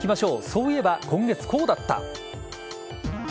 そういえば今月こうだった。